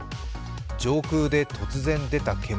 上空で突然出た煙。